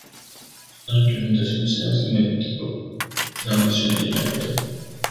La implementación se hace mediante Programación dinámica.